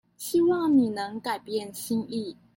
希望你能改變心意